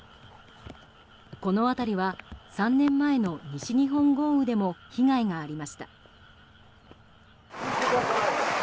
この辺りは３年前の西日本豪雨でも被害がありました。